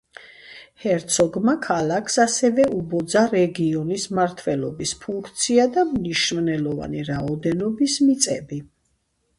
ჰერცოგმა ქალაქს ასევე უბოძა რეგიონის მმართველობის ფუნქცია და მნიშვნელოვანი რაოდენობის მიწები.